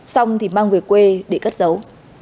xong thì mang về quê để cất dấu